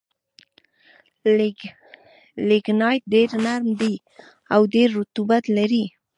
لېګنایټ ډېر نرم دي او ډېر رطوبت لري.